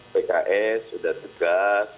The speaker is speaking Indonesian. pks sudah tegas